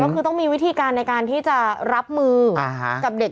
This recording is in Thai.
ก็คือต้องมีวิธีการในการที่จะรับมือกับเด็ก